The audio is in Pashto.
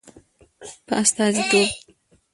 په استازیتوب